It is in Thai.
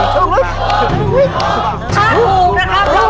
ถูกถูกถูกถูกถูกถูกถูกถูกถูกถูกถูกถูกถูก